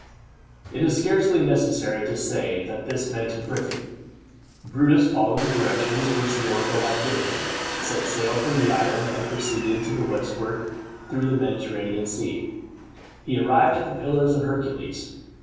It is scarcely necessary to say that this meant Britain. Brutus, following the directions which the oracle had given him, set sail from the island, and proceeded to the westward through the Mediterranean Sea. He arrived at the Pillars of Hercules.